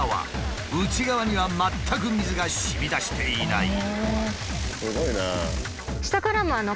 内側には全く水がしみ出していない。